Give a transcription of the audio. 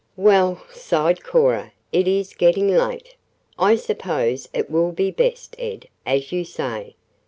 "Well," sighed Cora, "it is getting late. I suppose it will be best, Ed, as you say.